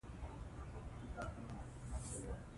ازادي راډیو د روغتیا ستر اهميت تشریح کړی.